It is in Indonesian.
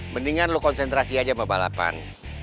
mendingan lu konsentrasi aja sama balapan